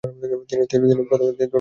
তিনি প্রথমবার প্যারিসে যান।